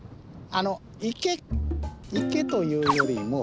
あの池池というよりも。